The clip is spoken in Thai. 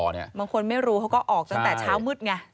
บางคนไม่รู้เขาก็ออกตั้งแต่เช้ามืดไง